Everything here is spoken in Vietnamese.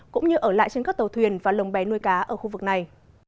cũng như ở lại trên các tàu thuyền và lồng bé nuôi cá ở khu vực này